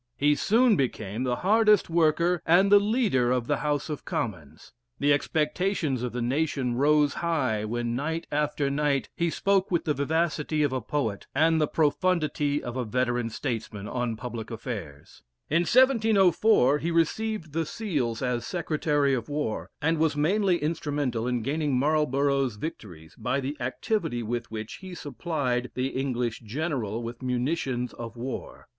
He soon became the hardest worker and the leader of the House of Commons. The expectations of the nation rose high when night after night he spoke with the vivacity of a poet, and the profundity of a veteran statesman on public affairs. In 1704, he received the seals as Secretary of War, and was mainly instrumental in gaining Marlborough's victories, by the activity with which he supplied the English General with munitions of war.